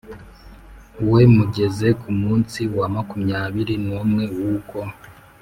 we mugeze ku munsi wa makumyabiri n umwe w uko